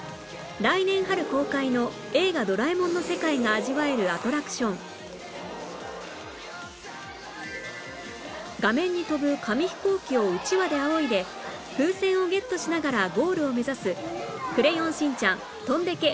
来年春公開の『映画ドラえもん』の世界が味わえるアトラクション画面に飛ぶ紙ヒコーキをうちわであおいで風船をゲットしながらゴールを目指すクレヨンしんちゃんとんでけ！